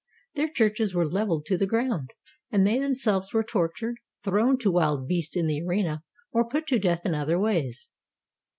Their churches were leveled to the ground, and they themselves were tortured, thrown to wild beasts in the arena, or put to death in other ways.